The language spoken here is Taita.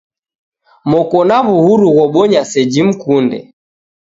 Moko na w'uhuru ghobonya seji mukunde